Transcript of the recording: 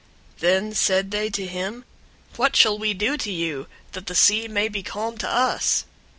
001:011 Then said they to him, "What shall we do to you, that the sea may be calm to us?"